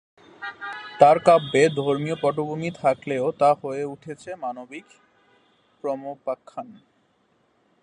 তাঁর কাব্যে ধর্মীয় পটভূমি থাকলেও তা হয়ে উঠেছে মানবিক প্রেমোপাখ্যান।